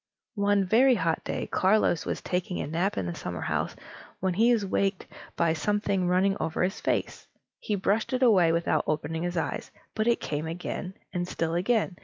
One very hot day, Carlos was taking a nap in the summerhouse, when he was waked by something running over his face. He brushed it away without opening his eyes, but it came again, and still again.